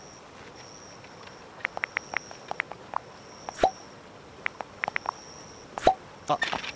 あっ。